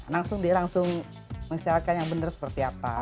langsung dia langsung mensyaratkan yang benar seperti apa